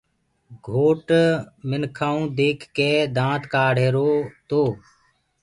گھوٽ منکآئو ديک ڪي دآنت ڪآڙهيرو تو